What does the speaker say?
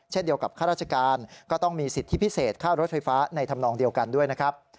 เช่นเดียวกับข้าราชการก็ต้องมีสิทธิพิเศษค่ารถไฟฟ้าในธรรมนองเดียวกันด้วยนะครับ